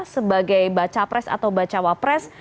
sebagai baca pres atau baca wapres